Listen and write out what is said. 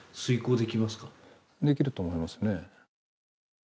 できると思いますね。